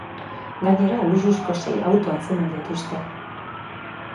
Gainera, luxuzko sei auto atzeman dituzte.